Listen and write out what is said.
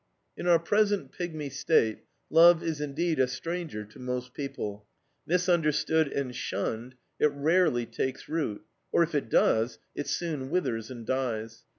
In our present pygmy state love is indeed a stranger to most people. Misunderstood and shunned, it rarely takes root; or if it does, it soon withers and dies.